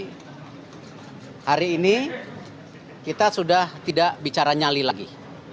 jadi hari ini kita sudah tidak bicara nyali